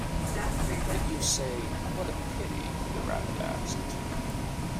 ‘Did you say “What a pity!”?’ the Rabbit asked.